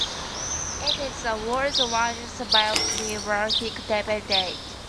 It is the world's largest bibliographic database.